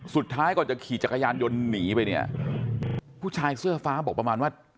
สุดท้ายก่อนจะขี่จักรยานยนต์หนีไปเนี่ยผู้ชายเสื้อฟ้าบอกประมาณว่า